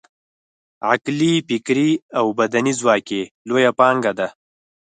عقلي، فکري او بدني ځواک یې لویه پانګه ده.